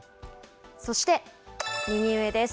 そして右上です。